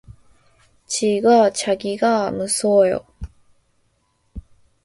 치과 가기가 무서워요.